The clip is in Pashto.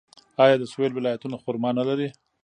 آیا د سویل ولایتونه خرما نلري؟